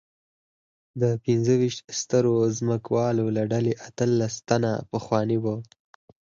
د پنځه ویشت سترو ځمکوالو له ډلې اتلس تنه پخواني وو.